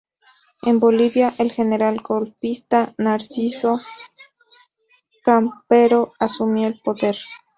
En Bolivia, el general golpista Narciso Campero asumió el poder.